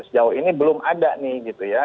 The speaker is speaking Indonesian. sejauh ini belum ada nih gitu ya